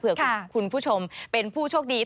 เพื่อคุณผู้ชมเป็นผู้โชคดี